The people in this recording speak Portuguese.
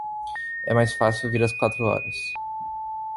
É mais fácil vir às quatro horas.